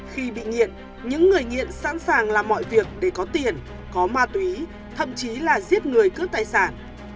khi bị nghiện những người nghiện sẵn sàng làm mọi việc để có tiền có ma túy thậm chí là giết người cướp tài sản